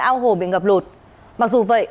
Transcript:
ao hồ bị ngập lụt mặc dù vậy